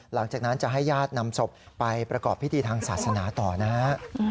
หลังจากนั้นจะให้ญาตินำศพไปประกอบพิธีทางศาสนาต่อนะฮะ